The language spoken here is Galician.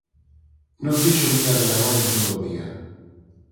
Non fixo miga de labor en todo o día